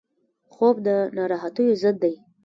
خوب د ناراحتیو ضد دی